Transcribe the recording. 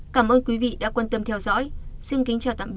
cảm ơn quý vị đã quan tâm theo dõi xin kính chào tạm biệt và hẹn gặp lại